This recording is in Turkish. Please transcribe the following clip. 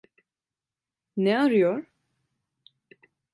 Ne arıyor?